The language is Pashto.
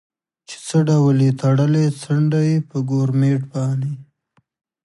چې څه ډول یې تړلی، څنډه یې په ګورمېټ باندې.